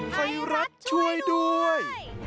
ไทยรัฐช่วยด้วย